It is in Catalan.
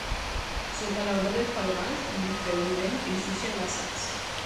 Sota l'auró de Falgars bufa un vent que ens deixa glaçats.